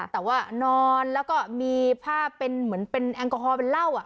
แต่ว่านอนแล้วก็มีภาพเป็นเหมือนเป็นแอลกอฮอลเป็นเหล้า